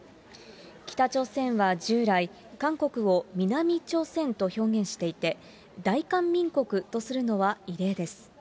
北朝鮮は従来、韓国を南朝鮮と表現していて、大韓民国とするのは異例です。